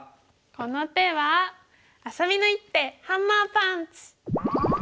この手はあさみの一手ハンマーパンチ！